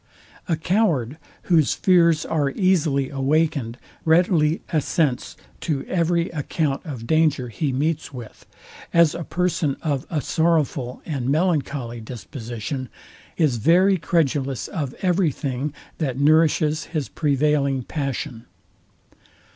A coward, whose fears are easily awakened, readily assents to every account of danger he meets with; as a person of a sorrowful and melancholy disposition is very credulous of every thing, that nourishes his prevailing passion.